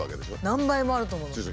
何倍もあると思います。